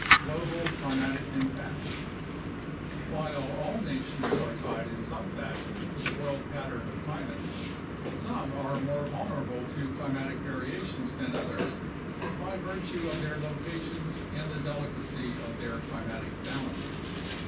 Global Climatic Impacts While all nations are tied in some fashion to the world pattern of climate, some are more vulnerable to climatic variations than others by virtue of their locations and the delicacy of their climatic balance.